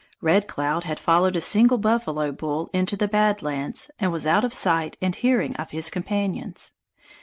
Red Cloud had followed a single buffalo bull into the Bad Lands and was out of sight and hearing of his companions.